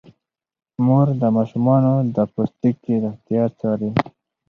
مور د ماشومانو د پوستکي روغتیا څاري.